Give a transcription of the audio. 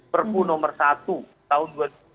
perku nomor satu tahun dua ribu dua puluh dua